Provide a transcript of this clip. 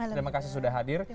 terima kasih sudah hadir